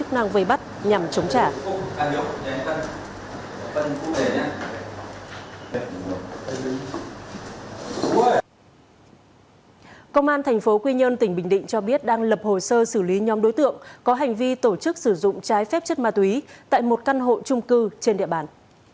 công an thành phố quy nhơn tỉnh bình định cho biết đang lập hồ sơ xử lý nhóm đối tượng có hành vi tổ chức sử dụng trái phép chất ma túy tại một căn hộ trung cư trên địa bàn